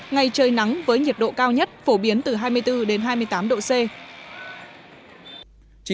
ngày trời nắng với nhiệt độ cao nhất phổ biến từ hai mươi bốn đến hai mươi tám độ c